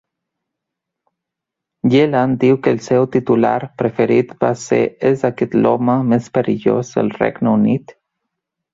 Yelland diu que el seu titular preferit va ser És aquest l'home més perillós del Regne Unit?